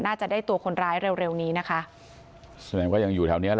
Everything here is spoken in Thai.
น่าจะได้ตัวคนร้ายเร็วเร็วนี้นะคะ